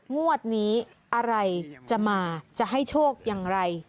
งวดนี้อะไรจะมาจะให้โชคอย่างไร